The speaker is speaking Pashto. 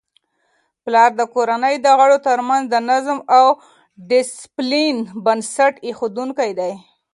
پلار د کورنی د غړو ترمنځ د نظم او ډیسپلین بنسټ ایښودونکی دی.